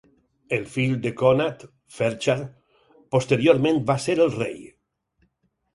El fill de Connad, Ferchar, posteriorment va ser el rei.